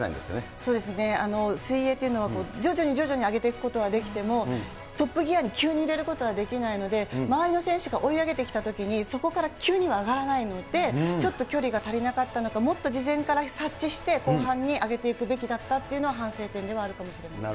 そうですね、水泳っていうのは、徐々に徐々に上げていくことはできても、トップギアに急に入れることはできないので、周りの選手が追い上げてきたときに、そこから急には上がらないので、ちょっと距離が足りなかったのか、もっと事前から察知して、後半に上げていくべきだったっていうのは、反省点ではあるかもしれません。